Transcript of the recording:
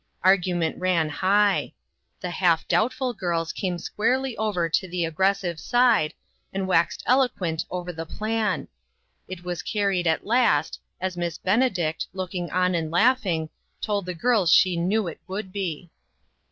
Argu ment ran high. The half doubtful girls came squarely over to the aggressive side, and waxed eloquent over the plan. It was car ried at last, as Miss Benedict, looking on and laughing, told the girls she knew it would be.